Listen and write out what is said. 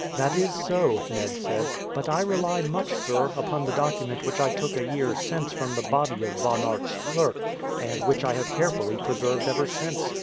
"That is so," Ned said; "but I rely much, sir, upon the document which I took a year since from the body of Von Aert's clerk, and which I have carefully preserved ever since.